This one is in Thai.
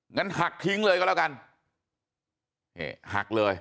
งั้นหักทิ้งเลยก็แล้วกันนี่หักเลย